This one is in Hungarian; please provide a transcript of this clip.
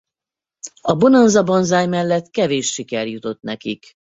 A Bonanza Banzai mellett kevés siker jutott nekik.